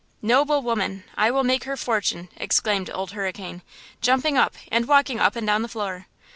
"Noble woman! I will make her fortune!" exclaimed Old Hurricane, jumping up and walking up and down the floor.